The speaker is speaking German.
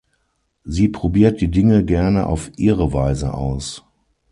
Sie probiert die Dinge gerne auf ihre Weise aus.